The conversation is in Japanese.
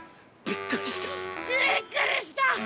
びっくりした！